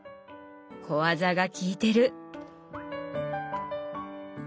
小技が利いてる！